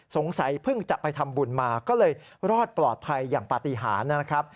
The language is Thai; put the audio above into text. สงสัยเพิ่งจะไปทำบุญมาก็เลยรอดปลอดภัยอย่างปฏิหารนะครับ